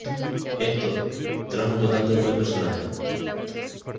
Esto trajo un total de nueve personajes.